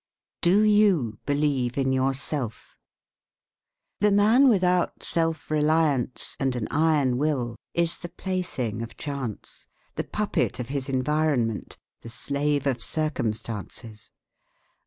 DO YOU BELIEVE IN YOURSELF? The man without self reliance and an iron will is the plaything of chance, the puppet of his environment, the slave of circumstances.